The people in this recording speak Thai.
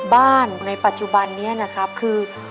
ในปัจจุบันนี้นะครับคือ